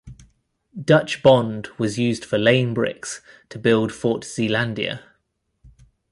Dutch bond was used for laying bricks to build Fort Zeelandia.